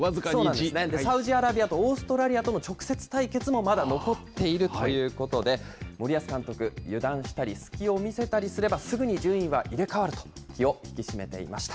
サウジアラビアとオーストラリアとの直接対決もまだ残っているということで、森保監督、油断したり隙を見せたりすれば、すぐに順位は入れ代わると、気を引き締めていました。